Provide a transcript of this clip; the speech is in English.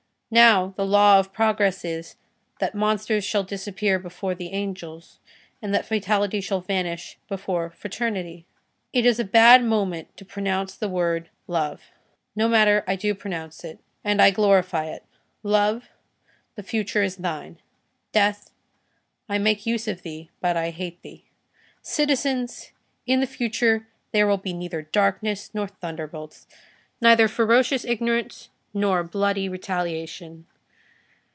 Now, the law of progress is, that monsters shall disappear before the angels, and that Fatality shall vanish before Fraternity. It is a bad moment to pronounce the word love. No matter, I do pronounce it. And I glorify it. Love, the future is thine. Death, I make use of thee, but I hate thee. Citizens, in the future there will be neither darkness nor thunderbolts; neither ferocious ignorance, nor bloody retaliation.